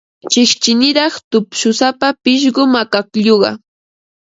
Chiqchiniraq tupshusapa pishqum akaklluqa.